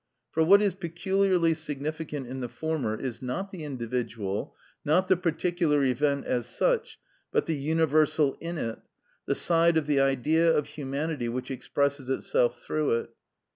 For what is peculiarly significant in the former is not the individual, not the particular event as such, but the universal in it, the side of the Idea of humanity which expresses itself through it.